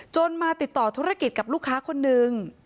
มาติดต่อธุรกิจกับลูกค้าคนนึง